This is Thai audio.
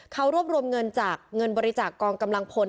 เขารวบรวมเงินจากเงินบริจาคกองกำลังพล